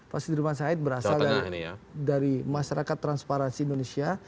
pak sudirman said berasal dari masyarakat transparansi indonesia